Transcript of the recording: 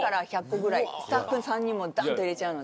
スタッフさんにもダンと入れちゃうので。